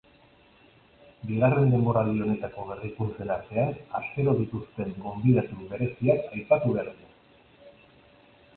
Bigarren denboraldi honetako berrikuntzen artean, astero dituzten gonbidatu bereziak aipatu behar dira.